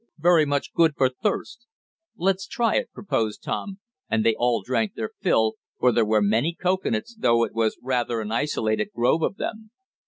"Very much good for thirst." "Let's try it," proposed Tom, and they all drank their fill, for there were many cocoanuts, though it was rather an isolated grove of them.